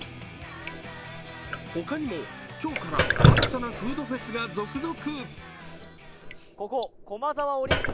他にも、今日から新たなフードフェスが続々！